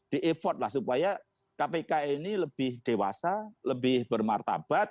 di effortlah supaya kpk ini lebih dewasa lebih bermartabat